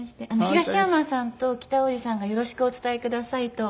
東山さんと北大路さんがよろしくお伝えくださいと。